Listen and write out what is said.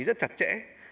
rất chặt chẽ